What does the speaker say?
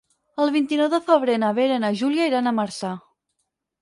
El vint-i-nou de febrer na Vera i na Júlia iran a Marçà.